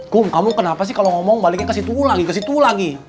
kum kamu kenapa sih kalau ngomong baliknya kasih tugu lagi ke situ lagi